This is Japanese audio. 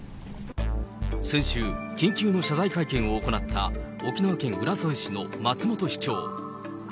先週、緊急の謝罪会見を行った沖縄県浦添市の松本市長。